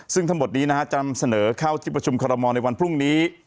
ซึ่งทั้งหมดนี้จะนำเสนอเข้าที่ประชุมคอรมอลในวันพรุ่งนี้